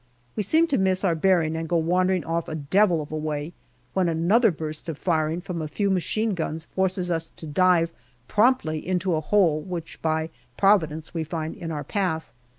We seem to miss our bearing and go wandering off a devil of a way, when another burst of firing from a few machine guns forces us to dive promptly into a hole which by Providence we find in our path.